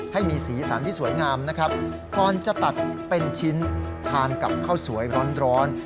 ให้มีสีสันที่สวยงามนะครับก่อนจะตัดเป็นชิ้นทานกับข้าวสวยร้อน